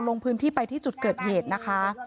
ลงพื้นที่ไปที่จุดเกิดเหตุนะคะ